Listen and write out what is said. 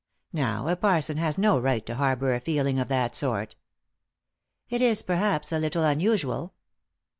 Now, a parson has no right to harbour a feeling of that sort" " It is perhaps a little unusual."